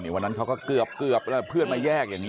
วันนั้นเขาก็เกือบแล้วเพื่อนมาแยกอย่างนี้